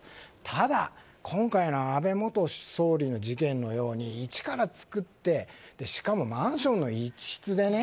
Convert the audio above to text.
ただ、今回の安倍元総理の事件のようにいちから作ってしかもマンションの一室でね。